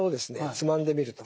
つまんでみると。